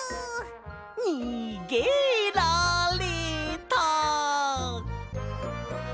にげられた！